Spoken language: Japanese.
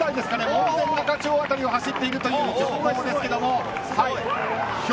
門前仲町あたりを走っているということです